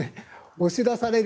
押し出される。